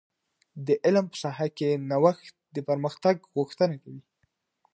د علم په ساحه کي نوښت د پرمختګ غوښتنه کوي.